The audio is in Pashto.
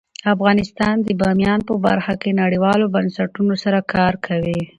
افغانستان د بامیان په برخه کې نړیوالو بنسټونو سره کار کوي.